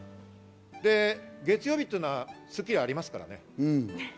で月曜日というのは『スッキリ』ありますからね。